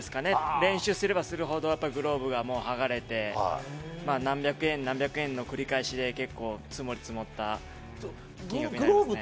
練習すればするほどはがれて、何百円の繰り返しで結構、積もり積もった金額になります。